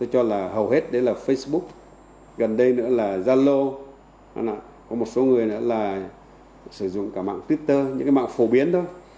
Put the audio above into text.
hầu hết đấy là facebook gần đây nữa là zalo có một số người nữa là sử dụng cả mạng twitter những cái mạng phổ biến thôi